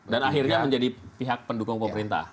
dan akhirnya menjadi pihak pendukung pemerintah